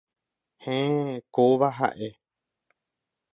Héẽ, kóva ha'e